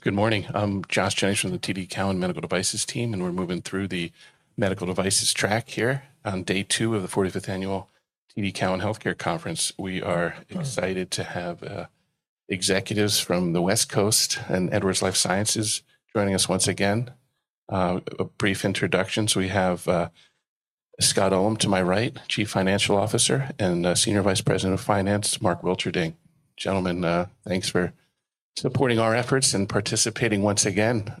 Good morning. I'm Josh Jennings from the TD Cowen Medical Devices team, and we're moving through the medical devices track here on day two of the 45th Annual TD Cowen Healthcare Conference. We are excited to have executives from the West Coast and Edwards Lifesciences joining us once again. A brief introduction: we have Scott Ullem to my right, Chief Financial Officer and Senior Vice President of Finance, Mark Wilterding. Gentlemen, thanks for supporting our efforts and participating once again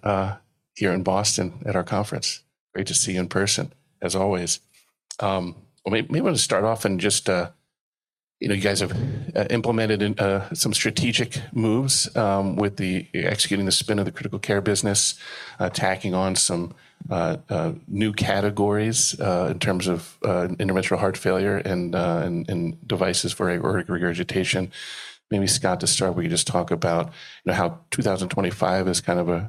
here in Boston at our conference. Great to see you in person, as always. Maybe I'll just start off and just, you know, you guys have implemented some strategic moves with executing the spin of the critical care business, tacking on some new categories in terms of interventional heart failure and devices for aortic regurgitation. Maybe Scott, to start, we could just talk about how 2025 is kind of,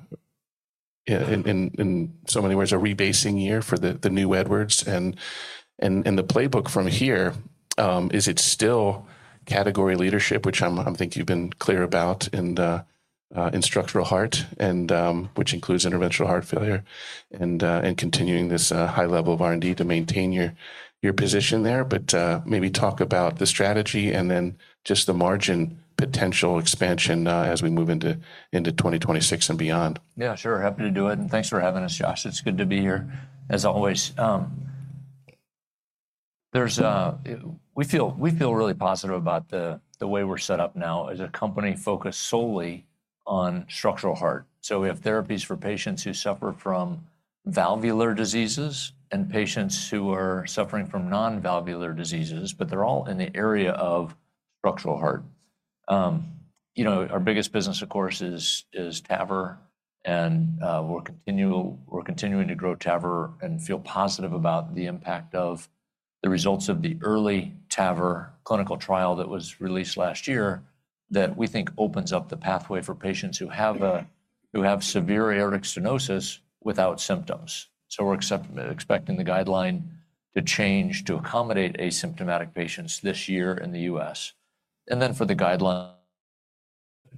in so many ways, a rebasing year for the new Edwards, and the playbook from here, is it still category leadership, which I think you've been clear about in structural heart, which includes interventional heart failure, and continuing this high level of R&D to maintain your position there. But maybe talk about the strategy and then just the margin potential expansion as we move into 2026 and beyond. Yeah, sure. Happy to do it. And thanks for having us, Josh. It's good to be here, as always. We feel really positive about the way we're set up now as a company focused solely on structural heart. So we have therapies for patients who suffer from valvular diseases and patients who are suffering from non-valvular diseases, but they're all in the area of structural heart. You know, our biggest business, of course, is TAVR, and we're continuing to grow TAVR and feel positive about the impact of the results of the EARLY TAVR clinical trial that was released last year that we think opens up the pathway for patients who have severe aortic stenosis without symptoms. So we're expecting the guideline to change to accommodate asymptomatic patients this year in the U.S. And then for the guideline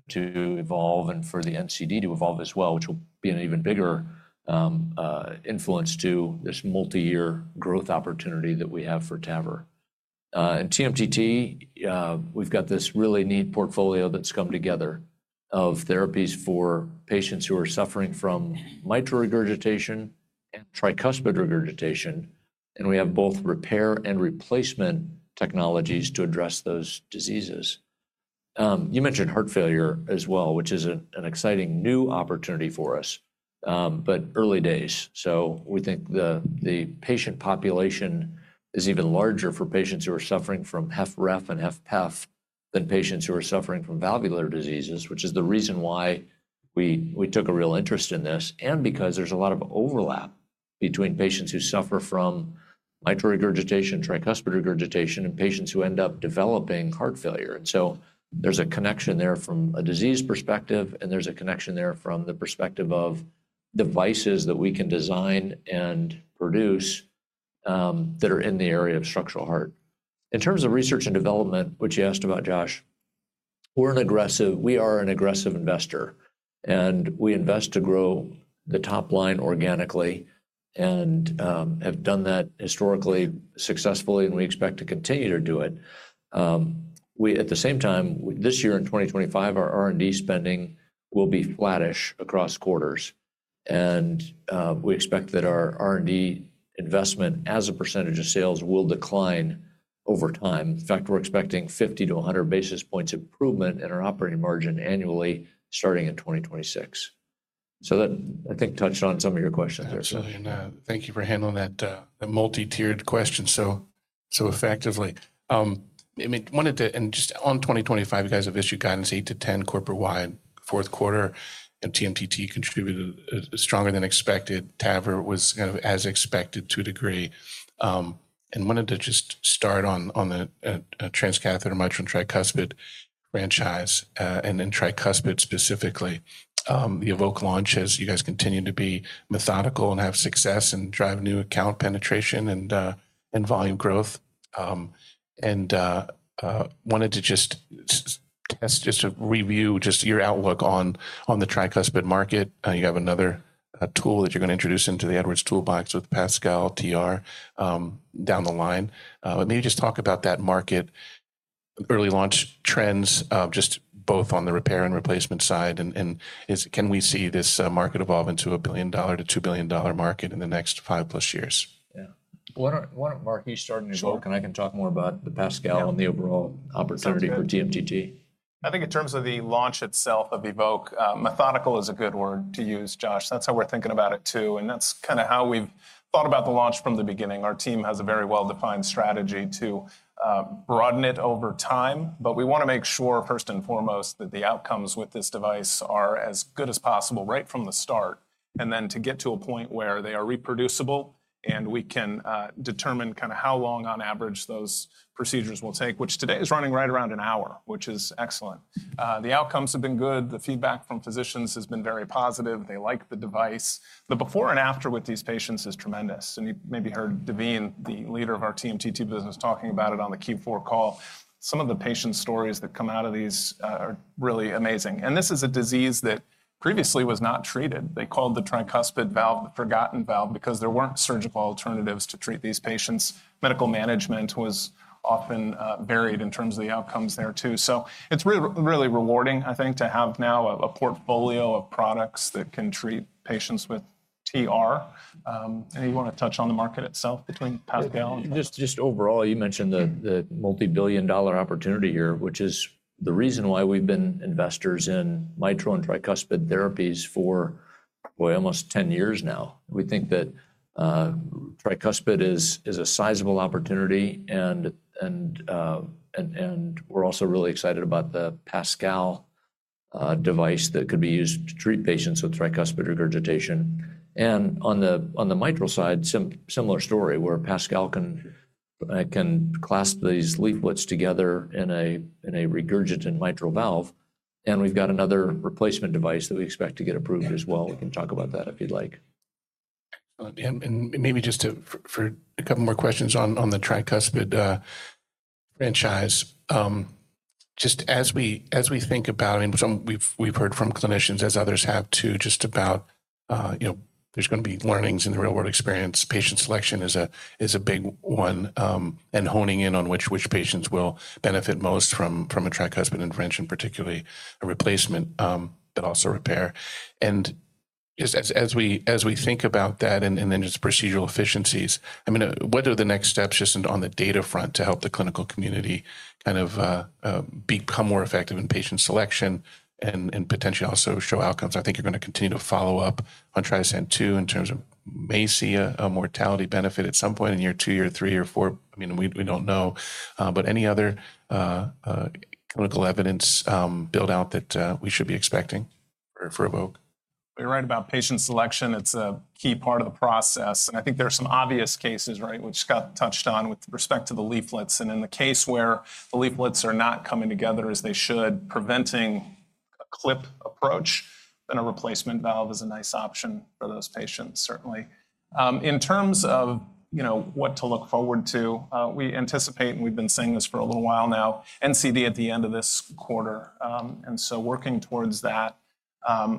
to evolve and for the NCD to evolve as well, which will be an even bigger influence to this multi-year growth opportunity that we have for TAVR. And TMTT, we've got this really neat portfolio that's come together of therapies for patients who are suffering from mitral regurgitation and tricuspid regurgitation, and we have both repair and replacement technologies to address those diseases. You mentioned heart failure as well, which is an exciting new opportunity for us, but early days. So we think the patient population is even larger for patients who are suffering from HFrEF and HFpEF than patients who are suffering from valvular diseases, which is the reason why we took a real interest in this and because there's a lot of overlap between patients who suffer from mitral regurgitation, tricuspid regurgitation, and patients who end up developing heart failure. And so there's a connection there from a disease perspective, and there's a connection there from the perspective of devices that we can design and produce that are in the area of structural heart. In terms of research and development, which you asked about, Josh, we're an aggressive investor, and we invest to grow the top line organically and have done that historically successfully, and we expect to continue to do it. At the same time, this year in 2025, our R&D spending will be flattish across quarters, and we expect that our R&D investment as a percentage of sales will decline over time. In fact, we're expecting 50-100 basis points improvement in our operating margin annually starting in 2026. So that, I think, touched on some of your questions there, Josh. Absolutely. And thank you for handling that multi-tiered question so effectively. I mean, wanted to, and just on 2025, you guys have issued guidance 8-10 corporate-wide fourth quarter, and TMTT contributed stronger than expected. TAVR was kind of as expected to a degree. And wanted to just start on the transcatheter mitral and tricuspid franchise and then tricuspid specifically. The EVOQUE launch, as you guys continue to be methodical and have success and drive new account penetration and volume growth. And wanted to just test, just to review just your outlook on the tricuspid market. You have another tool that you're going to introduce into the Edwards toolbox with PASCAL TR down the line. But maybe just talk about that market, early launch trends, just both on the repair and replacement side, and can we see this market evolve into a $1 billion-$2 billion market in the next five-plus years? Yeah. Why don't, Mark, you start in EVOQUE, and I can talk more about the PASCAL and the overall opportunity for TMTT. I think in terms of the launch itself of EVOQUE, methodical is a good word to use, Josh. That's how we're thinking about it too, and that's kind of how we've thought about the launch from the beginning. Our team has a very well-defined strategy to broaden it over time, but we want to make sure first and foremost that the outcomes with this device are as good as possible right from the start, and then to get to a point where they are reproducible and we can determine kind of how long on average those procedures will take, which today is running right around an hour, which is excellent. The outcomes have been good. The feedback from physicians has been very positive. They like the device. The before and after with these patients is tremendous. And you maybe heard Daveen, the leader of our TMTT business, talking about it on the Q4 call. Some of the patient stories that come out of these are really amazing. And this is a disease that previously was not treated. They called the tricuspid valve the forgotten valve because there weren't surgical alternatives to treat these patients. Medical management was often varied in terms of the outcomes there too. So it's really rewarding, I think, to have now a portfolio of products that can treat patients with TR. And you want to touch on the market itself between PASCAL and. Just overall, you mentioned the multi-billion dollar opportunity here, which is the reason why we've been investors in mitral and tricuspid therapies for, boy, almost 10 years now. We think that tricuspid is a sizable opportunity, and we're also really excited about the PASCAL device that could be used to treat patients with tricuspid regurgitation. And on the mitral side, similar story where PASCAL can clasp these leaflets together in a regurgitant mitral valve. And we've got another replacement device that we expect to get approved as well. We can talk about that if you'd like. Maybe just for a couple more questions on the tricuspid franchise. Just as we think about, I mean, we've heard from clinicians as others have too, just about there's going to be learnings in the real-world experience. Patient selection is a big one, and honing in on which patients will benefit most from a tricuspid intervention, particularly a replacement, but also repair. As we think about that and then just procedural efficiencies, I mean, what are the next steps just on the data front to help the clinical community kind of become more effective in patient selection and potentially also show outcomes? I think you're going to continue to follow up on TRISCEND II in terms of, may see a mortality benefit at some point in year two, year three, year four. I mean, we don't know. But any other clinical evidence build out that we should be expecting for EVOQUE? You're right about patient selection. It's a key part of the process. And I think there are some obvious cases, right, which Scott touched on with respect to the leaflets. And in the case where the leaflets are not coming together as they should, preventing a clip approach, then a replacement valve is a nice option for those patients, certainly. In terms of what to look forward to, we anticipate, and we've been saying this for a little while now, NCD at the end of this quarter. And so working towards that.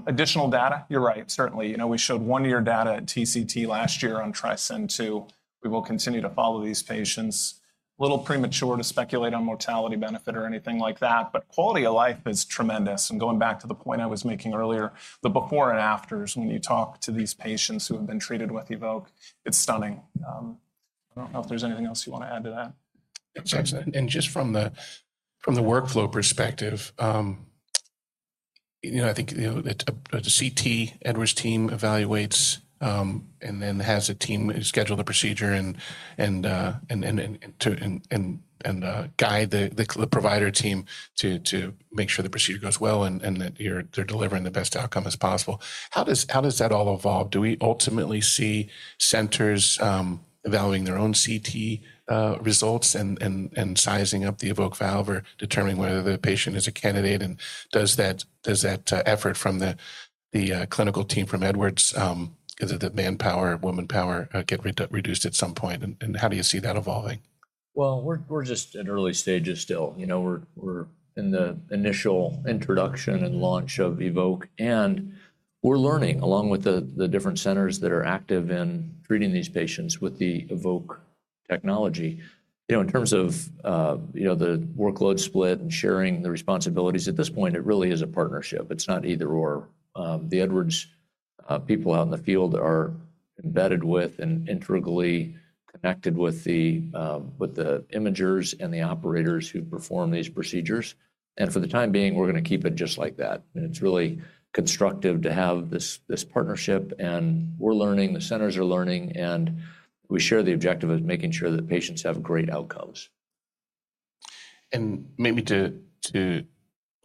Additional data, you're right, certainly. We showed one-year data at TCT last year on TRISCEND II. We will continue to follow these patients. A little premature to speculate on mortality benefit or anything like that, but quality of life is tremendous. And going back to the point I was making earlier, the before and after's, when you talk to these patients who have been treated with EVOQUE, it's stunning. I don't know if there's anything else you want to add to that. Just from the workflow perspective, you know, I think a CT Edwards team evaluates and then has a team schedule the procedure and guide the provider team to make sure the procedure goes well and that they're delivering the best outcome as possible. How does that all evolve? Do we ultimately see centers evaluating their own CT results and sizing up the EVOQUE valve or determining whether the patient is a candidate? And does that effort from the clinical team from Edwards, the manpower, woman power, get reduced at some point? And how do you see that evolving? We're just at early stages still. You know, we're in the initial introduction and launch of EVOQUE, and we're learning along with the different centers that are active in treating these patients with the EVOQUE technology. You know, in terms of the workload split and sharing the responsibilities, at this point, it really is a partnership. It's not either/or. The Edwards people out in the field are embedded with and integrally connected with the imagers and the operators who perform these procedures. For the time being, we're going to keep it just like that. It's really constructive to have this partnership, and we're learning, the centers are learning, and we share the objective of making sure that patients have great outcomes. Maybe the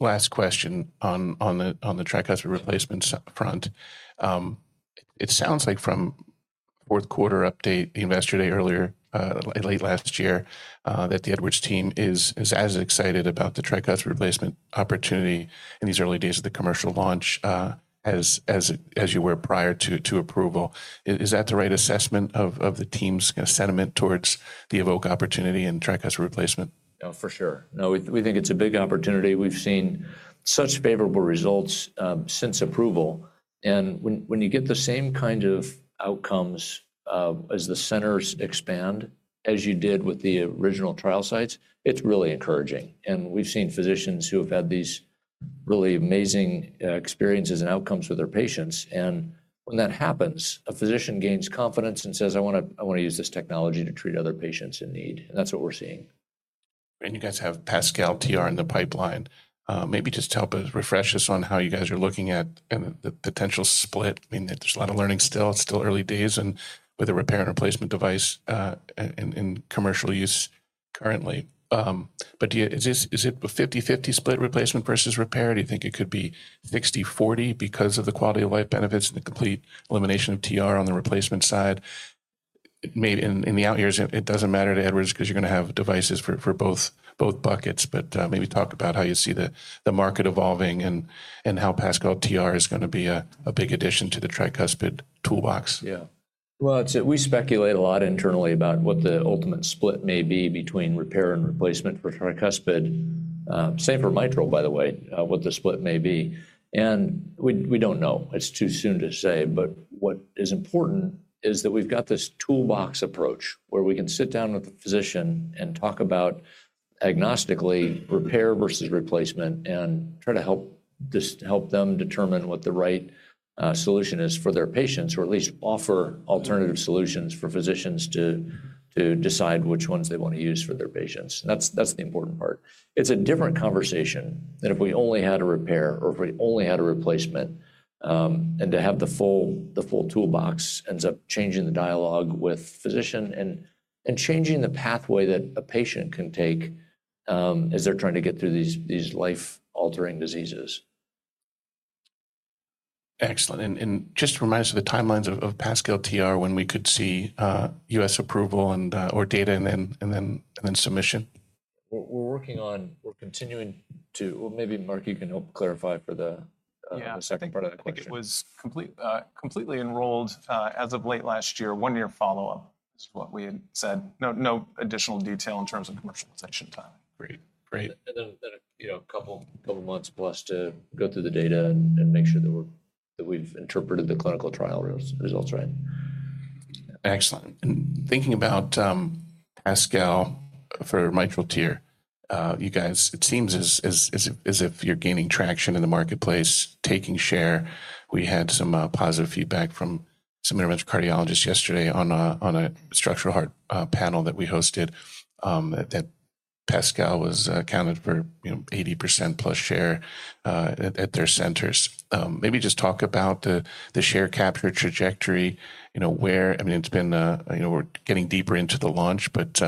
last question on the tricuspid replacement front. It sounds like from the fourth quarter update, you indicated earlier, late last year, that the Edwards team is as excited about the tricuspid replacement opportunity in these early days of the commercial launch as you were prior to approval. Is that the right assessment of the team's kind of sentiment towards the EVOQUE opportunity and tricuspid replacement? Oh, for sure. No, we think it's a big opportunity. We've seen such favorable results since approval. And when you get the same kind of outcomes as the centers expand, as you did with the original trial sites, it's really encouraging. And we've seen physicians who have had these really amazing experiences and outcomes with their patients. And when that happens, a physician gains confidence and says, "I want to use this technology to treat other patients in need." And that's what we're seeing. You guys have PASCAL TR in the pipeline. Maybe just help refresh us on how you guys are looking at the potential split. I mean, there's a lot of learning still. It's still early days with a repair and replacement device in commercial use currently. But is it a 50/50 split replacement versus repair? Do you think it could be 60/40 because of the quality of life benefits and the complete elimination of TR on the replacement side? In the out years, it doesn't matter to Edwards because you're going to have devices for both buckets. But maybe talk about how you see the market evolving and how PASCAL TR is going to be a big addition to the tricuspid toolbox. Yeah. Well, we speculate a lot internally about what the ultimate split may be between repair and replacement for tricuspid. Same for mitral, by the way, what the split may be. And we don't know. It's too soon to say. But what is important is that we've got this toolbox approach where we can sit down with the physician and talk about agnostically repair versus replacement and try to help them determine what the right solution is for their patients or at least offer alternative solutions for physicians to decide which ones they want to use for their patients. That's the important part. It's a different conversation than if we only had a repair or if we only had a replacement. To have the full toolbox ends up changing the dialogue with physician and changing the pathway that a patient can take as they're trying to get through these life-altering diseases. Excellent. And just to remind us of the timelines of PASCAL TR when we could see U.S. approval or data and then submission. We're working on, we're continuing to, well, maybe Mark you can help clarify for the second part of the question. I think it was completely enrolled as of late last year. One-year follow-up is what we had said. No additional detail in terms of commercialization time. Great. Great. And then a couple months plus to go through the data and make sure that we've interpreted the clinical trial results, right? Excellent. And thinking about PASCAL for mitral TR, you guys, it seems as if you're gaining traction in the marketplace, taking share. We had some positive feedback from some interventional cardiologists yesterday on a structural heart panel that we hosted that PASCAL was accounted for 80% plus share at their centers. Maybe just talk about the share capture trajectory. I mean, it's been, we're getting deeper into the launch, but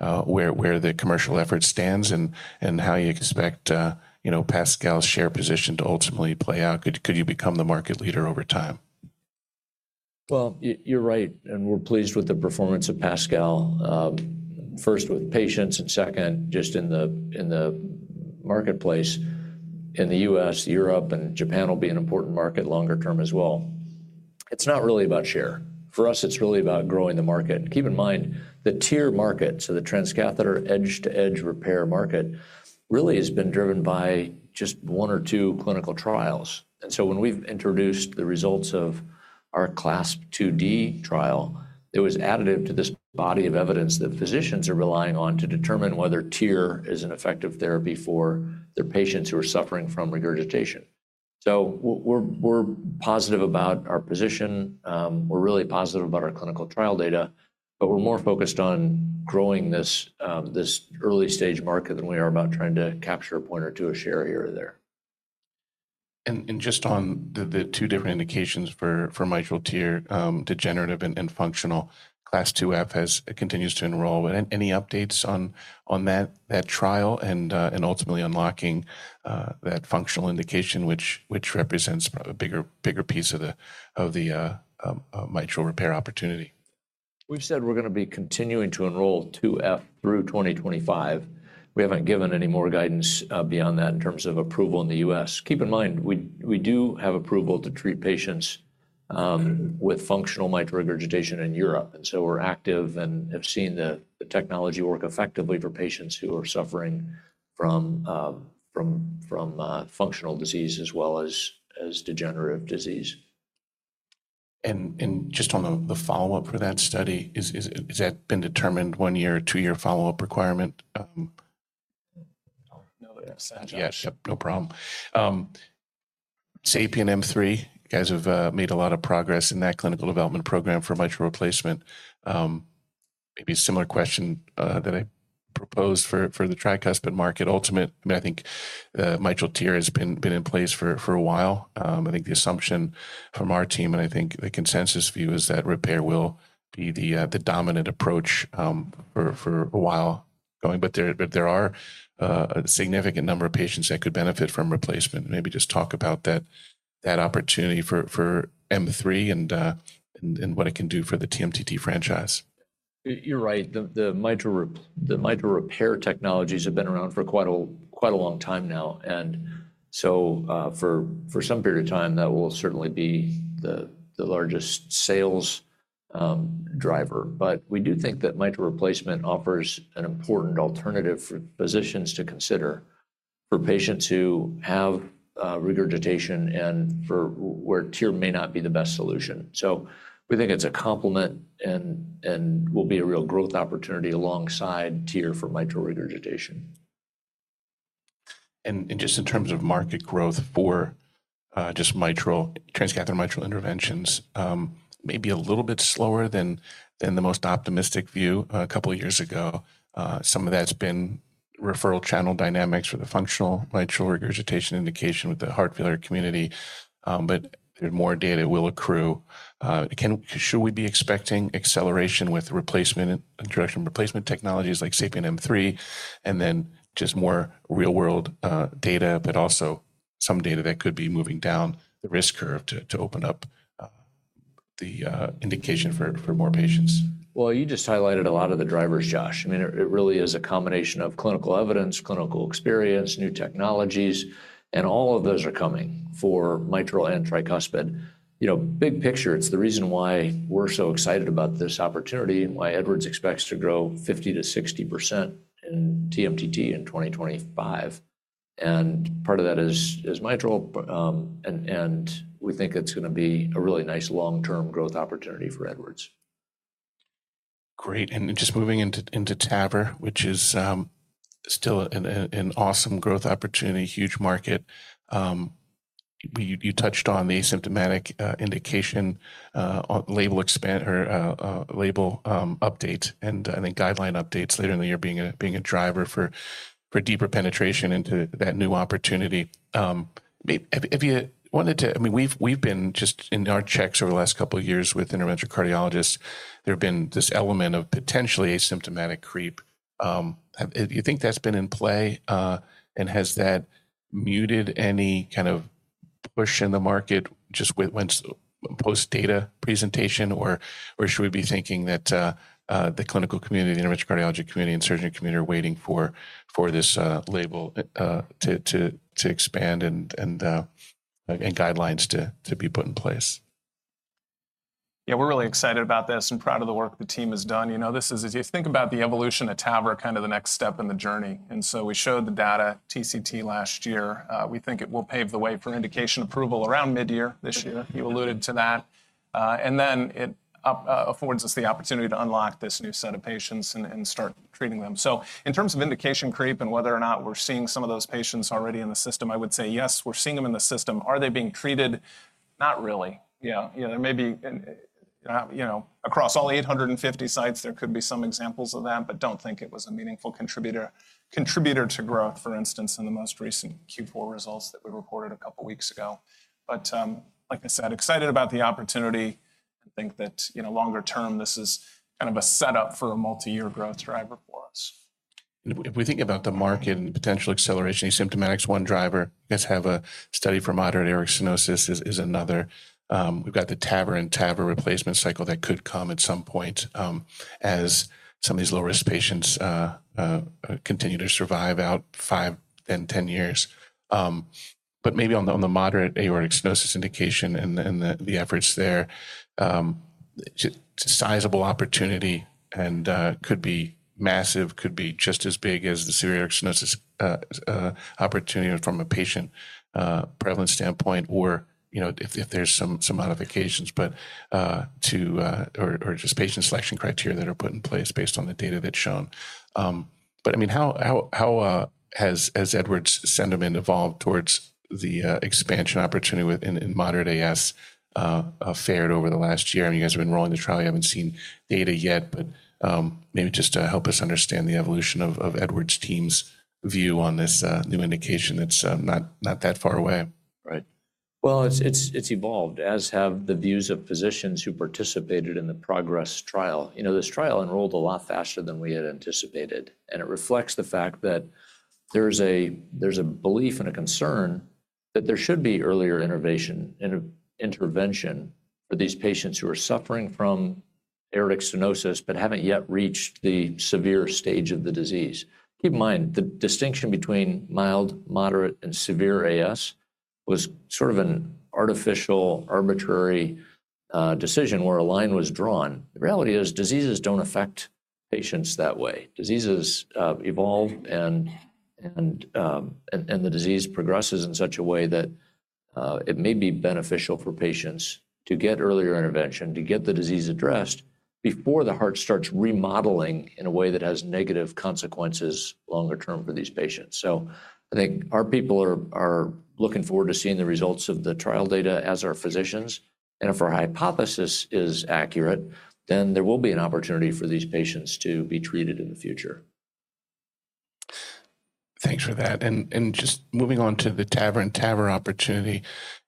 where the commercial effort stands and how you expect PASCAL's share position to ultimately play out. Could you become the market leader over time? You're right. And we're pleased with the performance of PASCAL, first with patients and second just in the marketplace. In the U.S., Europe, and Japan will be an important market longer term as well. It's not really about share. For us, it's really about growing the market. Keep in mind the TEER market, so the transcatheter edge-to-edge repair market, really has been driven by just one or two clinical trials. And so when we've introduced the results of our CLASP IID trial, it was additive to this body of evidence that physicians are relying on to determine whether TEER is an effective therapy for their patients who are suffering from regurgitation. So we're positive about our position. We're really positive about our clinical trial data, but we're more focused on growing this early-stage market than we are about trying to capture a point or two of share here or there. Just on the two different indications for Mitral TEER, degenerative and functional, CLASP IIF has continued to enroll. Any updates on that trial and ultimately unlocking that functional indication, which represents a bigger piece of the mitral repair opportunity? We've said we're going to be continuing to enroll IIF through 2025. We haven't given any more guidance beyond that in terms of approval in the U.S. Keep in mind, we do have approval to treat patients with functional mitral regurgitation in Europe, and so we're active and have seen the technology work effectively for patients who are suffering from functional disease as well as degenerative disease. And just on the follow-up for that study, has that been determined one-year, two-year follow-up requirement? No. Yes, no problem. SAPIEN M3, you guys have made a lot of progress in that clinical development program for mitral replacement. Maybe a similar question that I proposed for the tricuspid market, ultimately. I mean, I think the mitral TEER has been in place for a while. I think the assumption from our team, and I think the consensus view is that repair will be the dominant approach for a while going. But there are a significant number of patients that could benefit from replacement. Maybe just talk about that opportunity for M3 and what it can do for the TMTT franchise. You're right. The mitral repair technologies have been around for quite a long time now. And so for some period of time, that will certainly be the largest sales driver. But we do think that mitral replacement offers an important alternative for physicians to consider for patients who have regurgitation and where TEER may not be the best solution. So we think it's a complement and will be a real growth opportunity alongside TEER for mitral regurgitation. And just in terms of market growth for just transcatheter mitral interventions, maybe a little bit slower than the most optimistic view a couple of years ago. Some of that's been referral channel dynamics for the functional mitral regurgitation indication with the heart failure community. But more data will accrue. Should we be expecting acceleration with replacement, introduction of replacement technologies like SAPIEN M3, and then just more real-world data, but also some data that could be moving down the risk curve to open up the indication for more patients? You just highlighted a lot of the drivers, Josh. I mean, it really is a combination of clinical evidence, clinical experience, new technologies, and all of those are coming for mitral and tricuspid. Big picture, it's the reason why we're so excited about this opportunity and why Edwards expects to grow 50%-60% in TMTT in 2025. Part of that is mitral, and we think it's going to be a really nice long-term growth opportunity for Edwards. Great. And just moving into TAVR, which is still an awesome growth opportunity, huge market. You touched on the asymptomatic indication, label update, and I think guideline updates later in the year being a driver for deeper penetration into that new opportunity. I mean, we've been just in our checks over the last couple of years with interventional cardiologists. There have been this element of potentially asymptomatic creep. Do you think that's been in play? And has that muted any kind of push in the market just post-data presentation, or should we be thinking that the clinical community, the interventional cardiology community, and surgeon community are waiting for this label to expand and guidelines to be put in place? Yeah, we're really excited about this and proud of the work the team has done. You know, this is, if you think about the evolution of TAVR, kind of the next step in the journey. And so we showed the data TCT last year. We think it will pave the way for indication approval around mid-year this year. You alluded to that. And then it affords us the opportunity to unlock this new set of patients and start treating them. So in terms of indication creep and whether or not we're seeing some of those patients already in the system, I would say yes, we're seeing them in the system. Are they being treated? Not really. Yeah, there may be across all 850 sites, there could be some examples of that, but don't think it was a meaningful contributor to growth, for instance, in the most recent Q4 results that we reported a couple of weeks ago. But like I said, excited about the opportunity and think that longer term, this is kind of a setup for a multi-year growth driver for us. If we think about the market and potential acceleration, asymptomatic's one driver. You guys have a study for moderate aortic stenosis, is another. We've got the TAVR-in-TAVR replacement cycle that could come at some point as some of these low-risk patients continue to survive out five and ten years. But maybe on the moderate aortic stenosis indication and the efforts there, sizable opportunity and could be massive, could be just as big as the severe aortic stenosis opportunity from a patient prevalence standpoint or if there's some modifications or just patient selection criteria that are put in place based on the data that's shown. But I mean, how has Edwards' sentiment evolved towards the expansion opportunity in moderate AS fared over the last year? I mean, you guys have been rolling the trial. We haven't seen data yet, but maybe just to help us understand the evolution of Edwards' team's view on this new indication that's not that far away. Right. Well, it's evolved, as have the views of physicians who participated in the PROGRESS trial. You know, this trial enrolled a lot faster than we had anticipated. And it reflects the fact that there's a belief and a concern that there should be earlier intervention for these patients who are suffering from aortic stenosis but haven't yet reached the severe stage of the disease. Keep in mind, the distinction between mild, moderate, and severe AS was sort of an artificial, arbitrary decision where a line was drawn. The reality is diseases don't affect patients that way. Diseases evolve and the disease progresses in such a way that it may be beneficial for patients to get earlier intervention, to get the disease addressed before the heart starts remodeling in a way that has negative consequences longer term for these patients. I think our people are looking forward to seeing the results of the trial data as our physicians. If our hypothesis is accurate, then there will be an opportunity for these patients to be treated in the future. Thanks for that. And just moving on to the TAVR opportunity,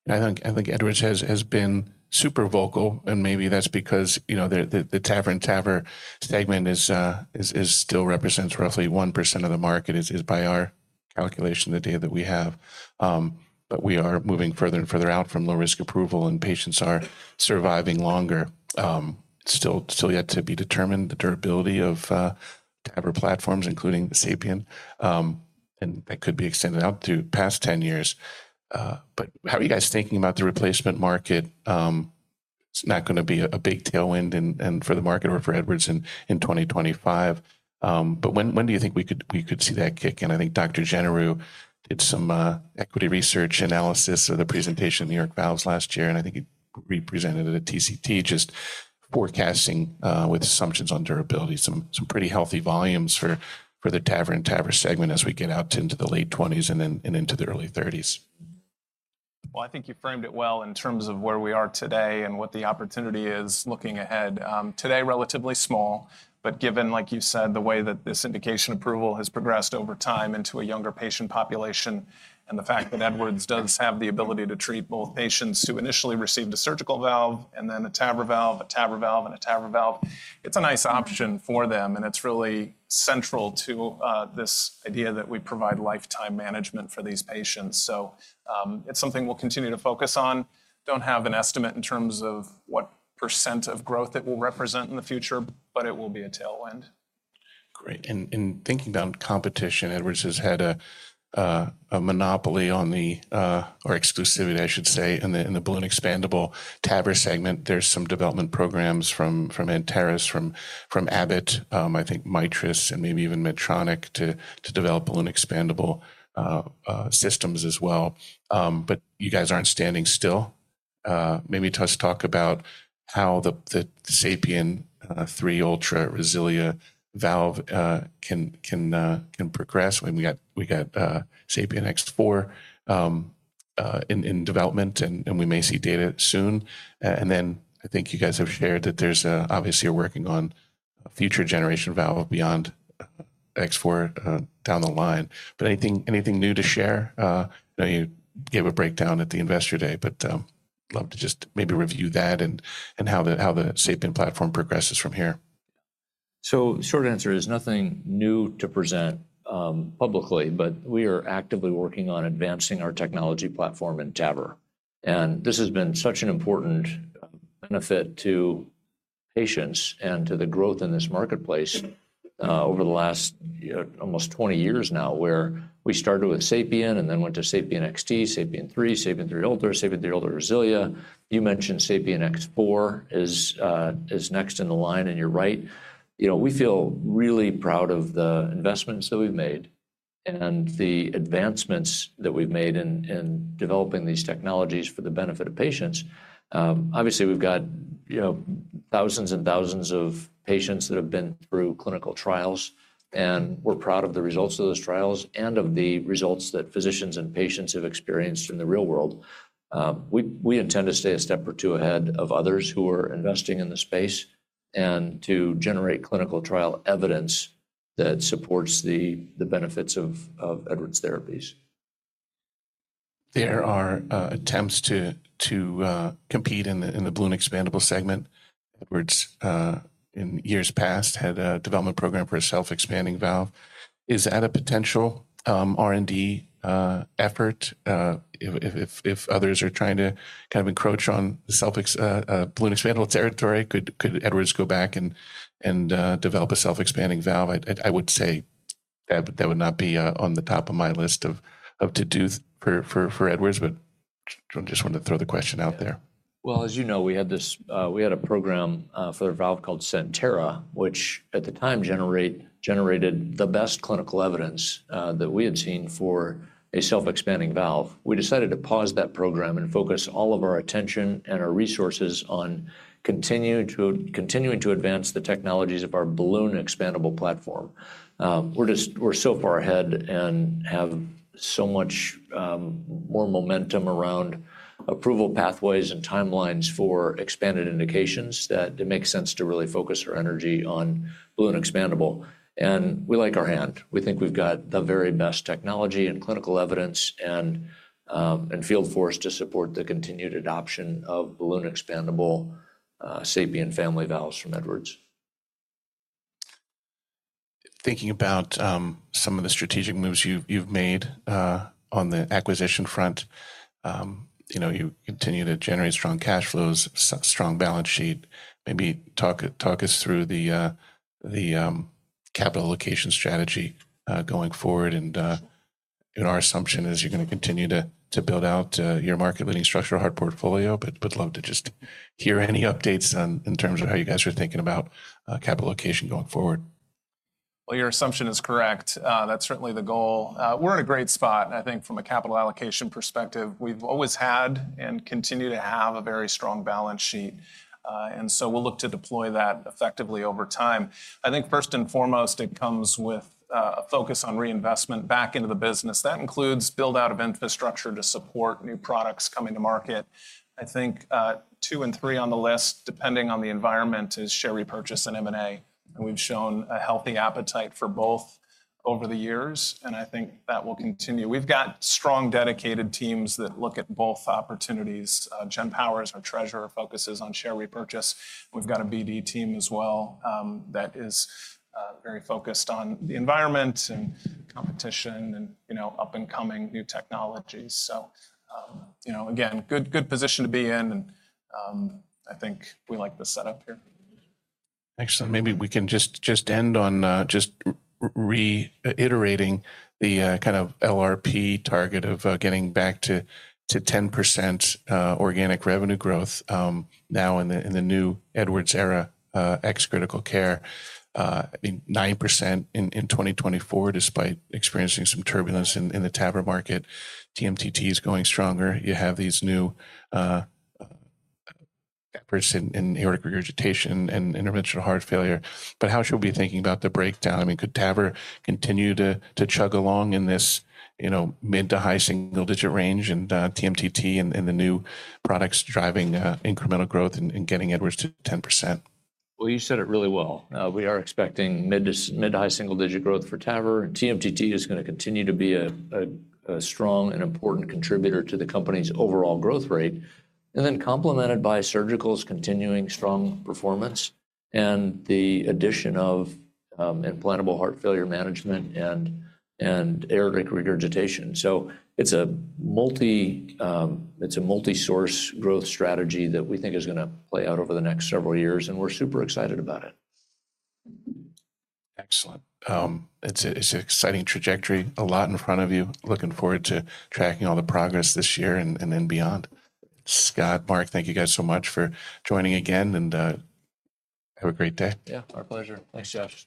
I think Edwards has been super vocal, and maybe that's because the TAVR segment still represents roughly 1% of the market, is by our calculation the data that we have. But we are moving further and further out from low-risk approval, and patients are surviving longer. It's still yet to be determined the durability of TAVR platforms, including SAPIEN, and that could be extended out to past 10 years. But how are you guys thinking about the replacement market? It's not going to be a big tailwind for the market or for Edwards in 2025. But when do you think we could see that kick in? I think Dr. Généreux did some equity research analysis of the presentation at New York Valves last year, and I think he represented it at TCT, just forecasting with assumptions on durability, some pretty healthy volumes for the TAVR-in-TAVR segment as we get out into the late 20s and into the early 30s. I think you framed it well in terms of where we are today and what the opportunity is looking ahead. Today, relatively small, but given, like you said, the way that this indication approval has progressed over time into a younger patient population and the fact that Edwards does have the ability to treat both patients who initially received a surgical valve and then a TAVR valve, it's a nice option for them. It's really central to this idea that we provide lifetime management for these patients. It's something we'll continue to focus on. Don't have an estimate in terms of what % of growth it will represent in the future, but it will be a tailwind. Great. And thinking about competition, Edwards has had a monopoly on the, or exclusivity, I should say, in the balloon expandable TAVR segment. There's some development programs from Anteris, from Abbott, I think Mitris, and maybe even Medtronic to develop balloon expandable systems as well. But you guys aren't standing still. Maybe let's talk about how the SAPIEN 3 Ultra RESILIA valve can progress. I mean, we got SAPIEN X4 in development, and we may see data soon. And then I think you guys have shared that there's obviously you're working on a future generation valve beyond X4 down the line. But anything new to share? You gave a breakdown at the investor day, but I'd love to just maybe review that and how the SAPIEN platform progresses from here. So short answer is nothing new to present publicly, but we are actively working on advancing our technology platform in TAVR. And this has been such an important benefit to patients and to the growth in this marketplace over the last almost 20 years now, where we started with SAPIEN and then went to SAPIEN XT, SAPIEN 3, SAPIEN 3 Ultra, SAPIEN 3 Ultra RESILIA. You mentioned SAPIEN X4 is next in the line and you're right. We feel really proud of the investments that we've made and the advancements that we've made in developing these technologies for the benefit of patients. Obviously, we've got thousands and thousands of patients that have been through clinical trials, and we're proud of the results of those trials and of the results that physicians and patients have experienced in the real world. We intend to stay a step or two ahead of others who are investing in the space and to generate clinical trial evidence that supports the benefits of Edwards' therapies. There are attempts to compete in the balloon expandable segment. Edwards, in years past, had a development program for a self-expanding valve. Is that a potential R&D effort? If others are trying to kind of encroach on the self-expandable territory, could Edwards go back and develop a self-expanding valve? I would say that would not be on the top of my list of to do for Edwards, but just wanted to throw the question out there. As you know, we had a program for the valve called CENTERA, which at the time generated the best clinical evidence that we had seen for a self-expanding valve. We decided to pause that program and focus all of our attention and our resources on continuing to advance the technologies of our balloon expandable platform. We're so far ahead and have so much more momentum around approval pathways and timelines for expanded indications that it makes sense to really focus our energy on balloon expandable. We like our hand. We think we've got the very best technology and clinical evidence and field force to support the continued adoption of balloon expandable SAPIEN family valves from Edwards. Thinking about some of the strategic moves you've made on the acquisition front, you continue to generate strong cash flows, strong balance sheet. Maybe talk us through the capital allocation strategy going forward. And our assumption is you're going to continue to build out your market-leading structural heart portfolio, but would love to just hear any updates in terms of how you guys are thinking about capital allocation going forward. Your assumption is correct. That's certainly the goal. We're in a great spot. I think from a capital allocation perspective, we've always had and continue to have a very strong balance sheet. And so we'll look to deploy that effectively over time. I think first and foremost, it comes with a focus on reinvestment back into the business. That includes build-out of infrastructure to support new products coming to market. I think two and three on the list, depending on the environment, is share repurchase and M&A. And we've shown a healthy appetite for both over the years, and I think that will continue. We've got strong dedicated teams that look at both opportunities. Jennifer Powers, our treasurer, focuses on share repurchase. We've got a BD team as well that is very focused on the environment and competition and up-and-coming new technologies. So again, good position to be in, and I think we like the setup here. Excellent. Maybe we can just end on just reiterating the kind of LRP target of getting back to 10% organic revenue growth now in the new Edwards era ex critical care. I mean, 9% in 2024, despite experiencing some turbulence in the TAVR market. TMTT is going stronger. You have these new efforts in aortic regurgitation and interventional heart failure. But how should we be thinking about the breakdown? I mean, could TAVR continue to chug along in this mid to high single-digit range and TMTT and the new products driving incremental growth and getting Edwards to 10%? You said it really well. We are expecting mid- to high single-digit growth for TAVR. TMTT is going to continue to be a strong and important contributor to the company's overall growth rate, and then complemented by surgical's continuing strong performance and the addition of implantable heart failure management and aortic regurgitation. It's a multi-source growth strategy that we think is going to play out over the next several years, and we're super excited about it. Excellent. It's an exciting trajectory. A lot in front of you. Looking forward to tracking all the progress this year and then beyond. Scott, Mark, thank you guys so much for joining again, and have a great day. Yeah, our pleasure. Thanks, Josh.